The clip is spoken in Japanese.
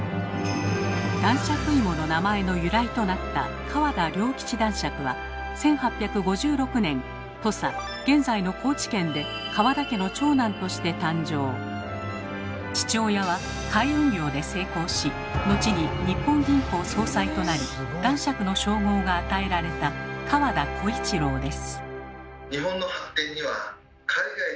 男爵いもの名前の由来となった川田龍吉男爵は１８５６年土佐現在の高知県で父親は海運業で成功し後に日本銀行総裁となり「男爵」の称号が与えられた川田小一郎です。